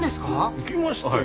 行きましたよ。